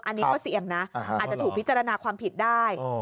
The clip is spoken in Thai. อันนี้ก็เสี่ยงนะอาจจะถูกพิจารณาความผิดได้